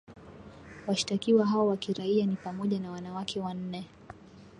Washtakiwa hao wa kiraia ni pamoja na wanawake wanne.